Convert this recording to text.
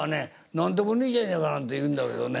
「何でもねえじゃねえか」なんて言うんだけどね